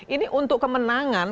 ini untuk kemenangan